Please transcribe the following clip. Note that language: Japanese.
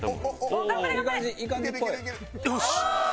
よし！